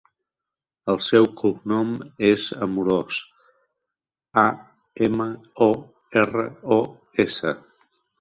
El seu cognom és Amoros: a, ema, o, erra, o, essa.